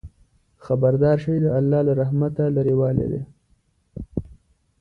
خبردار شئ! د الله له رحمته لرېوالی دی.